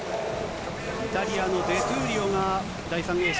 イタリアのデトゥーリオが第３泳者。